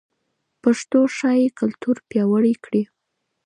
پښتو ښايي کلتور پیاوړی کړي.